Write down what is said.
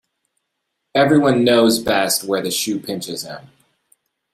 Every one knows best where the shoe pinches him.